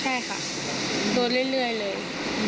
ใช่ค่ะโดนเรื่อยเลย